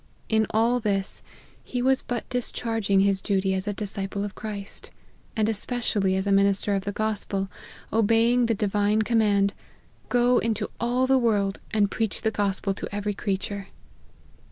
In all this, he was but discharging his duty as a disciple of Christ ; and especially as a minister of the gospel, obeying the divine command, "Go into all the world, and preach the gospel to ever) LIFE OF HENRY MARTYX. 197 creature."